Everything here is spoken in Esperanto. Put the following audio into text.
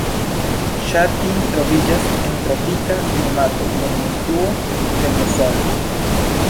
Ŝa Tin troviĝas en tropika klimato kun influo de musono.